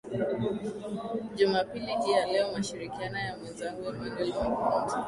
jumapili hii ya leo nashirikiana na mwezangu emanuel makundi